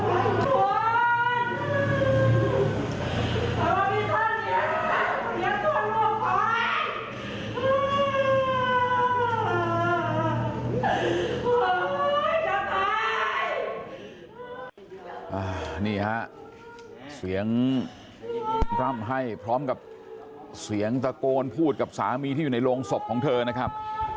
นี่ฮะเสียงร่ำให้พร้อมกับเสียงตะโกนพูดกับสามีที่อยู่ในโรงศพของเธอนะครับ